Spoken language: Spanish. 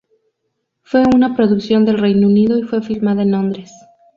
Fue una producción del Reino Unido y fue filmada en Londres.